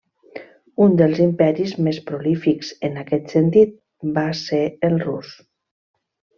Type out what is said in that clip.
Un dels imperis més prolífics en aquest sentit va ser el rus.